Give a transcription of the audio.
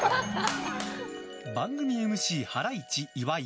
番組ＭＣハライチ岩井。